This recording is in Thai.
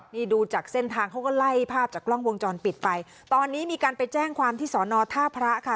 นี่ดูจากเส้นทางเขาก็ไล่ภาพจากกล้องวงจรปิดไปตอนนี้มีการไปแจ้งความที่สอนอท่าพระค่ะ